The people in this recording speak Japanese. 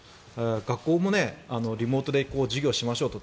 学校もリモートで授業しましょうと。